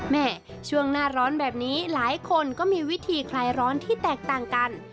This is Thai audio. แม่ช่วงหน้าร้อนแบบนี้หลายคนก็มีวิธีคลายร้อนที่แตกต่างกัน